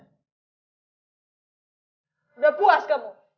sudah puas kamu